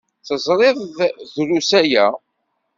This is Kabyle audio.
Teẓriḍ-t drus aya?